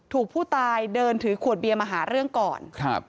ถูกผู้ตายเดินถือขวดเบียร์มาหาเรื่องก่อนครับ